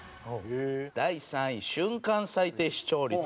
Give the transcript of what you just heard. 第３位「瞬間最低視聴率」。